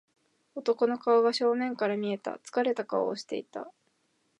男の顔が正面から見えた。疲れた顔をしていた。